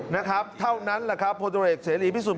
นะครับเท่านั้นแหละครับพลตรวจเอกเสรีพิสุทธิ